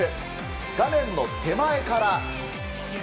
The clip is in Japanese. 画面の手前から。